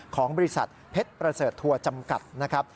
ของบริษัทเพชรประเสริฐทัวร์จำกัดนะครับ